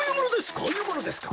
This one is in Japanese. こういうものですか？